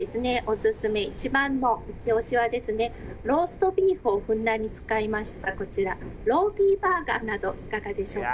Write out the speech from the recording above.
フードメニューですね、お勧め、一番の一押しはローストビーフをふんだんに使いました、こちら、ロービーバーガーなどはいかがでしょうか。